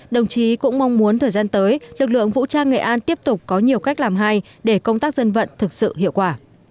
đồng chí cũng mong muốn thời gian tới lực lượng vũ trang nghệ an tiếp tục có nhiều cách làm hay để công tác dân vận thực sự hiệu quả